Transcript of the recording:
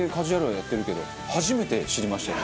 やってるけど初めて知りましたよね。